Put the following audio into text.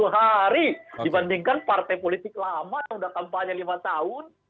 satu ratus sembilan puluh hari dibandingkan partai politik lama sudah kampanye lima tahun